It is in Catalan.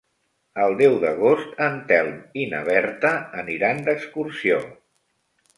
El deu d'agost en Telm i na Berta aniran d'excursió.